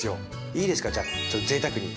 いいですかじゃあちょっとぜいたくに。